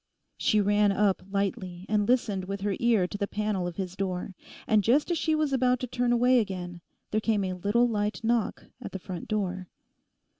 She ran up lightly and listened with her ear to the panel of his door. And just as she was about to turn away again, there came a little light knock at the front door.